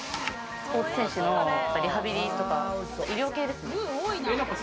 スポーツ選手のリハビリとか医療系です。